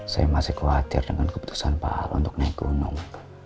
saya masih khawatir dengan keputusan pak ahok untuk naik gunung